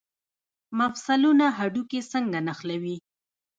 مفصلونه هډوکي څنګه نښلوي؟